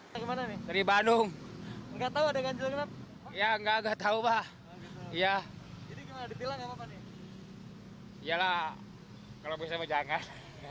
di mana nih dari bandung gak tau ada ganjil genap ya gak tau pak jadi gimana dipilang apa pak yalah kalau bisa mau jangan